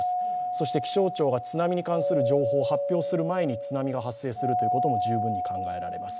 そして気象庁が津波に関する情報を発表する前に津波が発生するということも十分に考えられます。